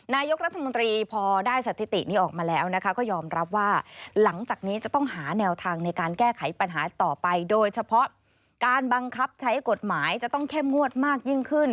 นายกรัฐมนตรีพอได้สถิตินี้ออกมาแล้วนะคะก็ยอมรับว่าหลังจากนี้จะต้องหาแนวทางในการแก้ไขปัญหาต่อไปโดยเฉพาะการบังคับใช้กฎหมายจะต้องเข้มงวดมากยิ่งขึ้น